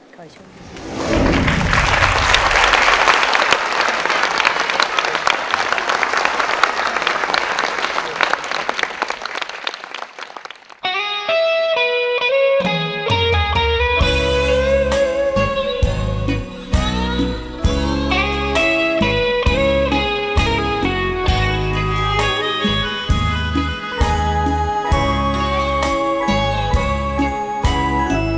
ขอให้ช่วยครับ